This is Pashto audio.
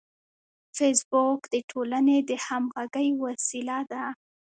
فېسبوک د ټولنې د همغږۍ وسیله ده